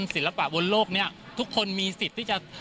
ศิลปะบนโลกนี้ทุกคนมีสิทธิ์ที่จะ